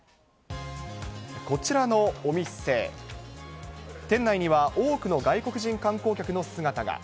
こちらのお店、店内には多くの外国人観光客の姿が。